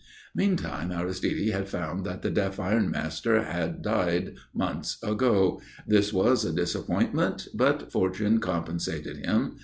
Meantime Aristide had found that the deaf ironmaster had died months ago. This was a disappointment, but fortune compensated him.